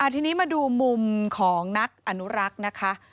ทีนี้มาดูมุมของนักอนุรักษ์นะคะ